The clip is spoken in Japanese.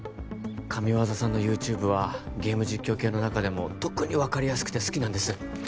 神技さんのＹｏｕＴｕｂｅはゲーム実況系の中でも特に分かりやすくて好きなんです